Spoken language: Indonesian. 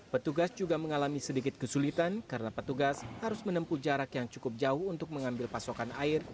petugas juga mengalami sedikit kesulitan karena petugas harus menempuh jarak yang cukup jauh untuk mengambil pasokan air